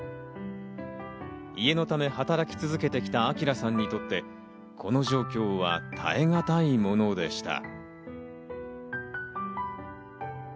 家のため働き続けてきた晃さんにとって、この状況は耐え難いものでした。